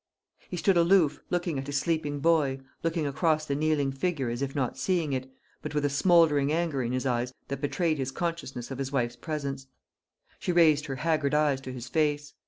He stood aloof, looking at his sleeping boy, looking across the kneeling figure as if not seeing it, but with a smouldering anger in his eyes that betrayed his consciousness of his wife's presence. She raised her haggard eyes to his face.